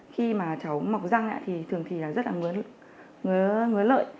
khi mà cháu mọc răng thì thường thì rất là ngứa lợi